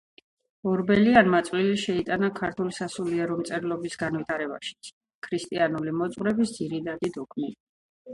ორბელიანმა წვლილი შეიტანა ქართული სასულიერო მწერლობის განვითარებაშიც. ქრისტიანული მოძღვრების ძირითადი დოგმებია